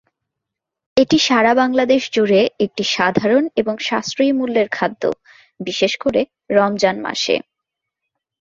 এটি সারা বাংলাদেশ জুড়ে একটি সাধারণ এবং সাশ্রয়ী মূল্যের খাদ্য, বিশেষ করে রমজান মাসে।